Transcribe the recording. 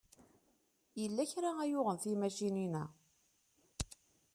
Yella kra ay yuɣen timacinin-a.